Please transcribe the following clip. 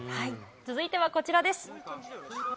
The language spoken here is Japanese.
続いてはこちらです。